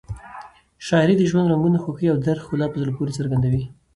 شاعري د ژوند رنګونه، خوښۍ او درد ښکلا په زړه پورې څرګندوي.